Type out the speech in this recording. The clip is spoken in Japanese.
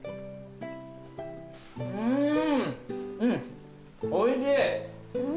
うんうんおいしい。